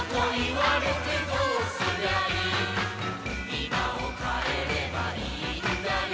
「今を変えればいいんだよ」